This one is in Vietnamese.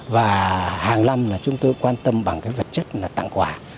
và hàng năm là chúng tôi quan tâm bằng cái vật chất là tặng quà